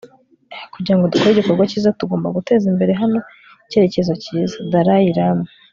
kugira ngo dukore igikorwa cyiza tugomba guteza imbere hano icyerekezo cyiza. - dalai lama